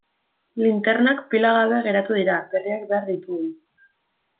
Linternak pila gabe geratu dira, berriak behar ditugu.